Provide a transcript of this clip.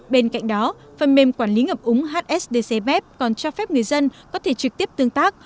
bên cạnh đó phần mềm quản lý ngập úng hsdcpf còn cho phép người dân có thể trực tiếp tương tác